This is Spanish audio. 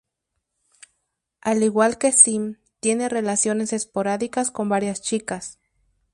Al igual que Sim, tiene relaciones esporádicas con varias chicas.